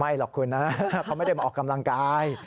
หรอกคุณนะเขาไม่ได้มาออกกำลังกาย